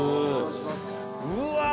うわ。